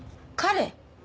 彼？